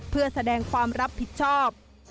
เพื่อแสดงความรับผิดชอบ